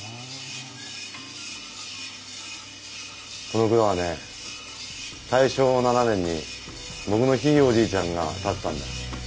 この蔵はね大正７年に僕のひいおじいちゃんが建てたんだよ。